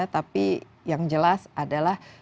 tapi yang jelas adalah